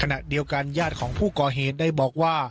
ขณะเดียวกันญาติของผู้ก่อเหตุได้บอกว่า